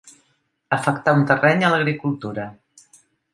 Afectar un terreny a l'agricultura.